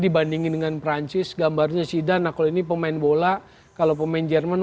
dibandingin dengan perancis gambarnya sidan aku ini pemain bola kalau pemain jerman